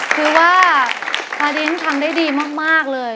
คือว่าฟาดิ้งทำได้ดีมากเลย